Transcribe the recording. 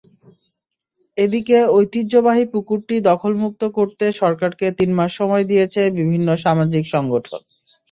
এদিকে ঐতিহ্যবাহী পুকুরটি দখলমুক্ত করতে সরকারকে তিন মাস সময় দিয়েছে বিভিন্ন সামাজিক সংগঠন।